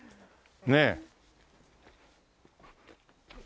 ねえ。